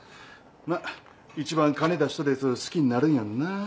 まあ一番金出しとるやつを好きになるんやろな。